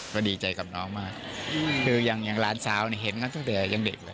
ก็ดีใจกับน้องมากคืออย่างหลานสาวเนี่ยเห็นกันตั้งแต่ยังเด็กเลย